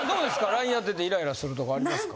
ＬＩＮＥやっててイライラするとこありますか？